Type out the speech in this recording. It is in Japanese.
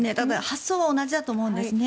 発想は同じだと思うんです。